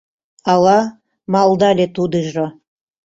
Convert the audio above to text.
— Ала... — малдале тудыжо.